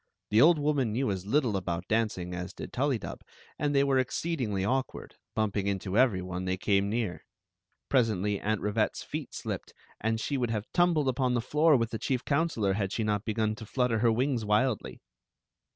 The old woman knew as little about dancing as did Tullydub, and they were exceedingly awk ward, bumpmg into every one they came near. Pres ently Aunt Rivette's feet slipped, and she would have tumbled upon the floor with the chief counselor had she not begun to flutter her wings wildly.